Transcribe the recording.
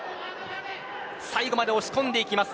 最後まで押し込んでいきます